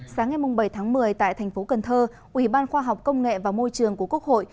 sáng ngày bảy tháng một mươi tại thành phố cần thơ ủy ban khoa học công nghệ và môi trường của quốc hội